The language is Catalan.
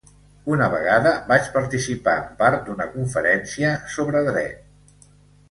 Una vegada vaig participar en part d'una conferència sobre dret.